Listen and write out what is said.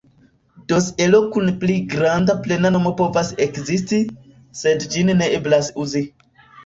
Dosiero kun pli granda plena nomo povas ekzisti, sed ĝin ne eblas uzi.